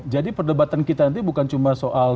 jadi perdebatan kita nanti bukan cuma soal